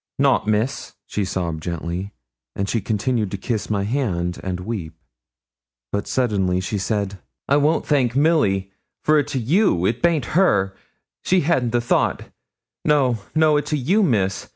'Nout, Miss,' she sobbed gently; and she continued to kiss my hand and weep. But suddenly she said, 'I won't thank Milly, for it's a' you; it baint her, she hadn't the thought no, no, it's a' you, Miss.